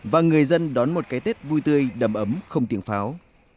và người dân đón một cái tết vui tươi đầm ấm không tiếng pháo